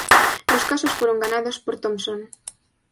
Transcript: Los casos fueron ganados por Thompson.